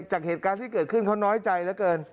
จากเหตุการณ์ที่เกิดขึ้นเขาน้อยใจเหลือเกิน